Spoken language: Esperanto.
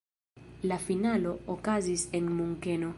La finalo okazis en Munkeno.